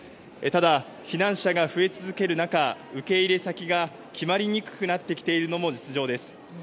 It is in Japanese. ただ、避難者が増え続ける中受け入れ先が決まりにくくなってきているのも実情です。